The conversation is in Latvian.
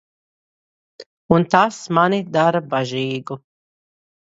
Un tas mani dara bažīgu.